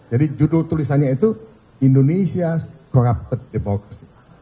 jadi judul tulisannya itu indonesia s corrupted democracy